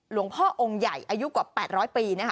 หลวงพ่อองค์ใหญ่อายุกว่า๘๐๐ปีนะคะ